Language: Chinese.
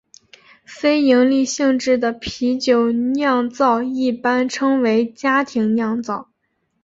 非营利性质的啤酒酿造一般称为家庭酿造。